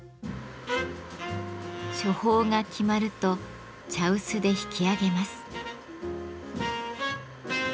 処方が決まると茶臼でひき上げます。